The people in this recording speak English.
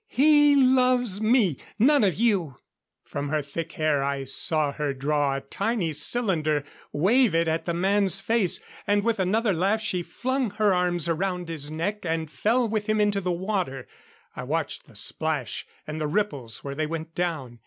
He loves me none of you!" From her thick hair I saw her draw a tiny cylinder, wave it in the man's face. And, with another laugh, she flung her arms around his neck and fell with him into the water. I watched the splash and the ripples where they went down.